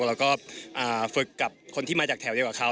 แล้วก็ฝึกกับคนที่มาจากแถวเดียวกับเขา